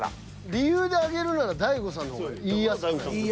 理由を挙げるなら大悟さんの方が言いやすい。